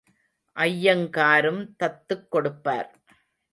ஐயங்காரும் தத்துக் கொடுப்பார்.